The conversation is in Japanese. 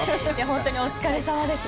本当にお疲れさまです。